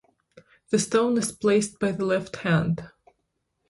The stone is placed by the left hand.